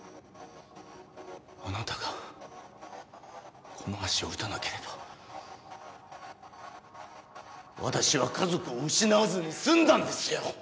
あなたがこの足を撃たなければ私は家族を失わずに済んだんですよ。